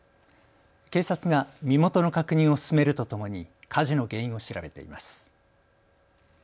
警察が身元の確認を進めるとともに火事の原因を調べています。